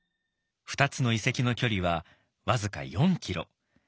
２つの遺跡の距離は僅か４キロ。